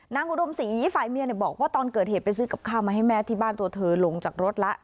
อุดมศรีฝ่ายเมียบอกว่าตอนเกิดเหตุไปซื้อกับข้าวมาให้แม่ที่บ้านตัวเธอลงจากรถแล้ว